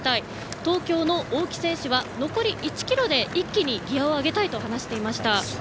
東京の大木選手は残り１ｋｍで一気にギヤを上げたいと話していました。